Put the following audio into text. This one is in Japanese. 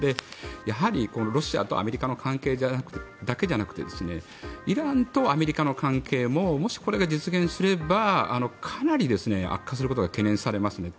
やはりこのロシアとアメリカの関係だけじゃなくてイランとアメリカの関係ももしこれが実現すればかなり悪化することが懸念されますね。